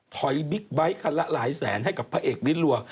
บิ๊กไบท์คันละหลายแสนให้กับพระเอกลิ้นรัว